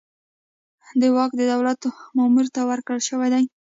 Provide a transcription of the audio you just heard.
دا واک د دولت مامور ته ورکړل شوی دی.